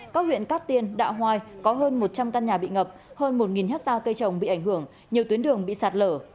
các huyện cát tiên đạ hoai có hơn một trăm linh căn nhà bị ngập hơn một hectare cây trồng bị ảnh hưởng nhiều tuyến đường bị sạt lở